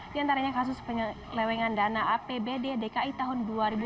di antaranya kasus penyelewengan dana apbd dki tahun dua ribu dua puluh